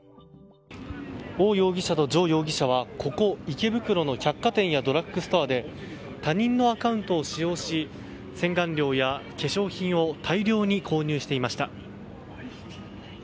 オウ容疑者とジョ容疑者はここ池袋の百貨店やドラッグストアで他人のアカウントを利用し洗顔料や化粧品を大量に購入していました。